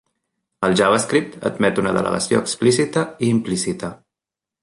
El JavaScript admet una delegació explícita i implícita.